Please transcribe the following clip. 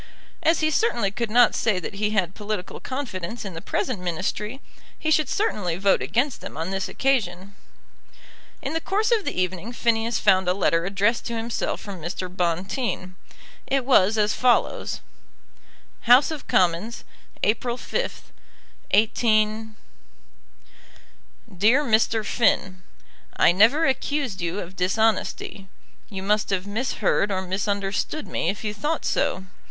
As he certainly could not say that he had political confidence in the present Ministry, he should certainly vote against them on this occasion. In the course of the evening Phineas found a letter addressed to himself from Mr. Bonteen. It was as follows: House of Commons, April 5th, 18 . DEAR MR. FINN, I never accused you of dishonesty. You must have misheard or misunderstood me if you thought so.